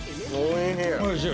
おいしい。